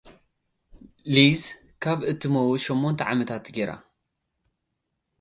ሊዝ፡ ካብ ትመውት ሸሞንተ ዓመታት ገይራ።